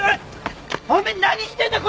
おめえ何してんだ